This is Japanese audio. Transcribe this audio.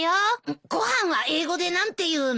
ご飯は英語で何て言うの？